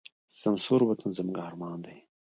سمسور وطن زموږ ارمان دی.